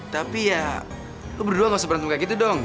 tapi ya aku berdua gak usah berantem kayak gitu dong